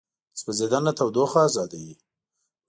سوځېدنه تودوخه ازادوي.